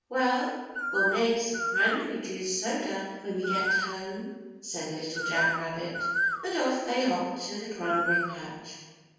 "Well, we'll make some cranberry juice soda when we get home," said Little Jack Rabbit, and off they hopped to the Cranberry Patch.